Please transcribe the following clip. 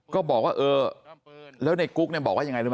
ก็บอกว่าเออแล้วในกุ๊กเนี่ยบอกว่ายังไงรู้ไหม